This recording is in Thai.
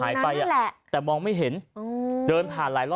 อยู่ตรงนั้นนั่นแหละ